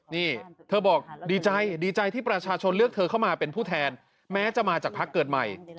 นี่เธอบอกดีใจดีใจที่ประชาชนเลือกเธอเข้ามาเป็นผู้แทนแม้จะมาจากพักเกิดใหม่